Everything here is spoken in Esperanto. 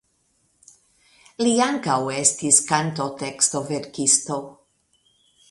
Li ankaŭ estis kantotekstoverkisto.